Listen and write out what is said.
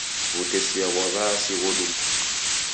W'utesia ghwa w'aasi ghodumbulwa.